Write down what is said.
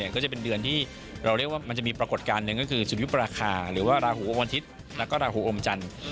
ก็จะเป็นเดือนที่เราเรียกว่ามันจะมีปรากฏการณ์หนึ่งก็คือสุยุปราคาหรือว่าราหูอมวันอาทิตย์แล้วก็ราหูอมจันทร์